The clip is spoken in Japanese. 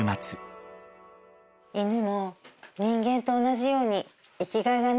犬も人間と同じように。